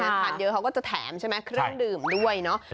ถ้าทานเยอะเขาก็จะแถมใช่ไหมเครื่องดื่มด้วยเนาะ